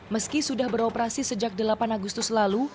meski sudah beroperasi sejak delapan agustus lalu